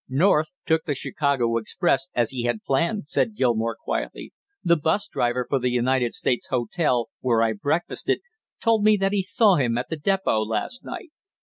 "North took the Chicago express as he had planned," said Gilmore quietly. "The bus driver for the United States Hotel, where I breakfasted, told me that he saw him at the depot last night."